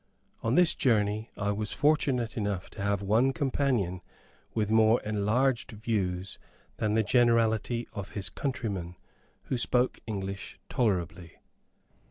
On this journey I was fortunate enough to have one companion with more enlarged views than the generality of his countrymen, who spoke English tolerably.